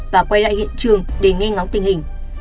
và quay lại hiện trường để nghe ngóng tình hình